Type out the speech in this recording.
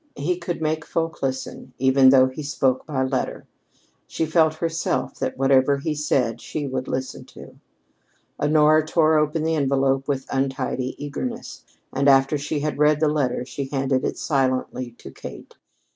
He could make folk listen, even though he spoke by letter. She felt, herself, that whatever he said, she would listen to. Honora tore open the envelope with untidy eagerness, and after she had read the letter she handed it silently to Kate.